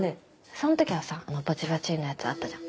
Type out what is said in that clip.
その時はさバチバチのやつあったじゃん。